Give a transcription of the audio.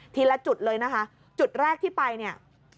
ละจุดเลยนะคะจุดแรกที่ไปเนี่ย